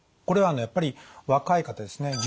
これはやっぱり若い方ですね。